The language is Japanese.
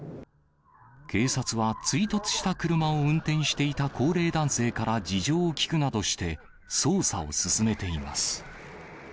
警察は、追突した車を運転していた高齢男性から事情を聴くなどして、捜査を進めています。